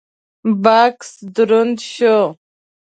بکس دروند شو: